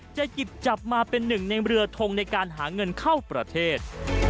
จะหยิบจับมาเป็นหนึ่งในเรือทงในการหาเงินเข้าประเทศ